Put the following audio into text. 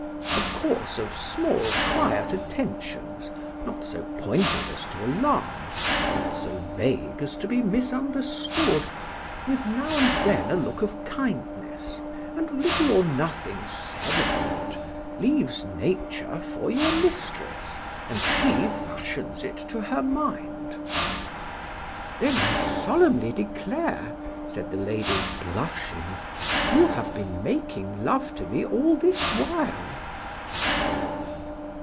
A course of small, quiet attentions, not so pointed as to alarm,—nor so vague as to be misunderstood—with now and then a look of kindness, and little or nothing said upon it,—leaves nature for your mistress, and she fashions it to her mind.— Then I solemnly declare, said the lady, blushing, you have been making love to me all this while.